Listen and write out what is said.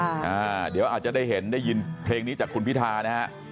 เดี๋ยวอาจจะได้เห็นได้ยินเพลงนี้จากคุณพิธานะฮะ